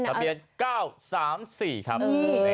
ทะเบียน๙๓๔ครับ